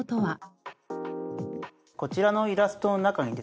こちらのイラストの中にですね